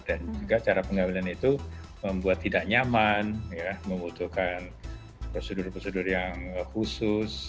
dan juga cara pengambilan itu membuat tidak nyaman membutuhkan prosedur prosedur yang khusus